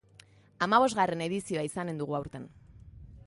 Hamabosgarren edizioa izanen dugu aurten.